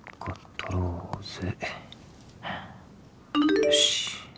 よし。